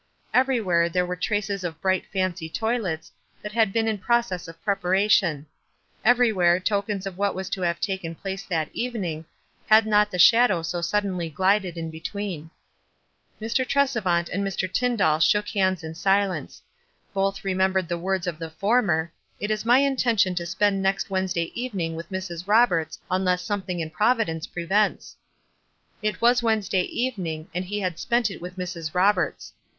Everywhere there were traces of bright fancy toilets, that had been in process of preparation ; everywhere tokens of what was to have taken place that evening, had not the shadow so suddenly glided in between. WISE AND OTHERWISE. 279 Mr. Tresevant and Mr. Tyndall shook hands in silence ; both remembered the words of the for mer, "It is my intention to spend next Wednes day evening with Mrs. Roberts, unless something in Providence prevents." It was Wednesday evening, and he had spent it with Mrs. Roberts.